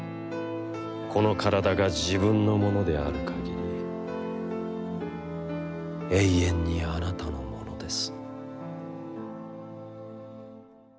このからだが自分のものであるかぎり、永遠にあなたのものです」。